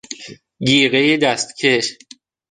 گیره دستکش